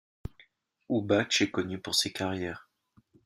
Oubatche est connue pour ses carrières.